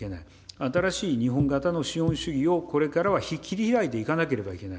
新しい日本型の資本主義を、これからは切り開いていかなければいけない。